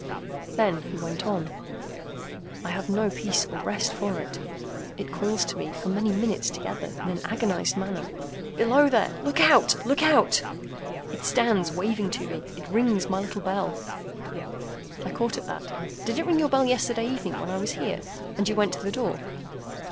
Then he went on. "I have no peace or rest for it. It calls to me, for many minutes together, in an agonised manner, 'Below there! Look out! Look out!' It stands waving to me. It rings my little bell—" I caught at that. "Did it ring your bell yesterday evening when I was here, and you went to the door?"